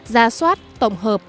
ra soát tổng hợp